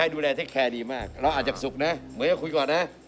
มึงอยากคุยก่อนนะ